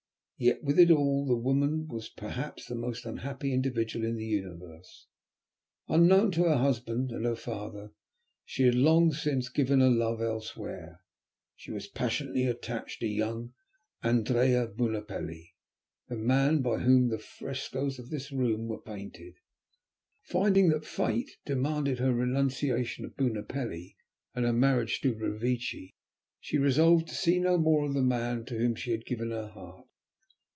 Yet with it all the woman was perhaps the most unhappy individual in the universe. Unknown to her husband and her father she had long since given her love elsewhere; she was passionately attached to young Andrea Bunopelli, the man by whom the frescoes of this room were painted. Finding that Fate demanded her renunciation of Bunopelli, and her marriage to Revecce, she resolved to see no more of the man to whom she had given her heart.